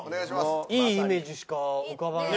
いいイメージしか浮かばない。